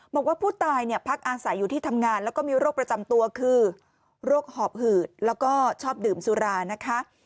บอกว่าผู้ตายเนี่ยพักอาศัยอยู่ที่ทำงานแล้วก็มีโรคประจำตัวคือโรคหอบหืดแล้วก็ชอบดื่มสุรานะคะ